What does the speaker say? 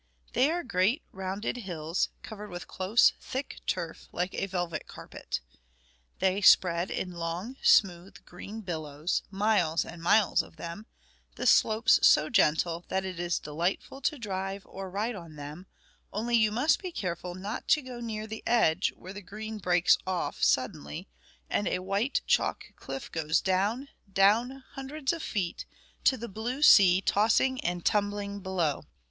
They are great rounded hills, covered with close, thick turf, like a velvet carpet. They spread in long smooth green billows, miles and miles of them, the slopes so gentle that it is delightful to drive or ride on them; only you must be careful not to go near the edge, where the green breaks off suddenly, and a white chalk cliff goes down, down, hundreds of feet, to the blue sea tossing and tumbling below.